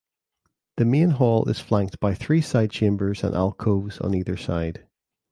The main hall is flanked by three side chambers and alcoves on either side.